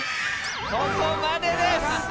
ここまでです。